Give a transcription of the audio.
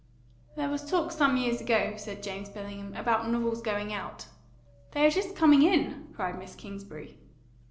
"There was talk some years ago," said James Bellingham, "about novels going out." "They're just coming in!" cried Miss Kingsbury.